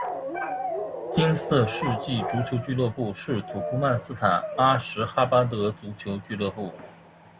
金色世纪足球俱乐部是土库曼斯坦阿什哈巴德足球俱乐部。